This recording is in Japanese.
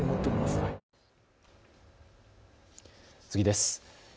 次です。